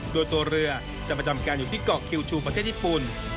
โดยตัวเรือจะประจำการอยู่ที่เกาะคิวชูประเทศญี่ปุ่น